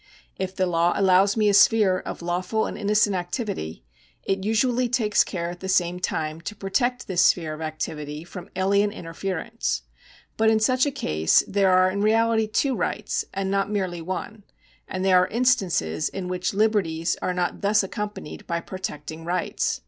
If the law allows me a sphere of lawful and innocent activity, it usually takes care at the same time to protect this sphere of activity from alien inter ference. But in such a case there are in reality two rights and not merely one ; and there are instances in which liberties are not thus accompanied by protecting rights.